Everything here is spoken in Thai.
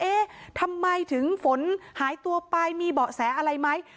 เอ๊ะทำไมถึงฝนหายตัวไปมีเบาะแสอะไรไหม